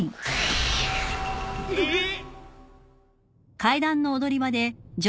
えっ！？